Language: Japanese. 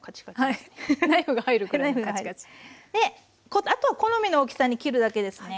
であとは好みの大きさに切るだけですね。